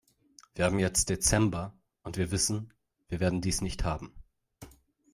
Wir haben jetzt Dezember, und wir wissen, wir werden dies nicht haben.